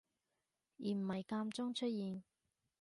而唔係間中出現